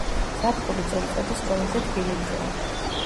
ზაფხული წელიწადის ყველაზე თბილი დროა.